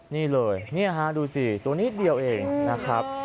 นี่เลยนี่ฮะดูสิตัวนิดเดียวเองนะครับ